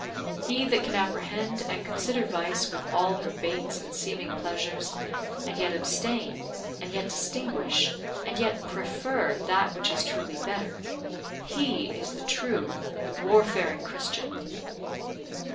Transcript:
He that can apprehend and consider vice with all her baits and seeming pleasures, and yet abstain, and yet distinguish, and yet prefer that which is truly better, he is the true warfaring Christian.